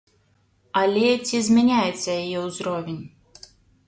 Але ці змяняецца яе ўзровень?